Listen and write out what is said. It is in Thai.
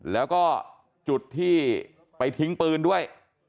แล้วก็จุดที่ไปทิ้งปืนด้วย